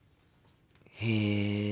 へえ。